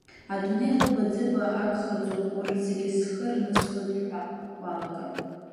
Адунеи ҟыба-ӡыба агхаӡом, урҭ зегьы схы рнысҟьоит ҳәа уалагар.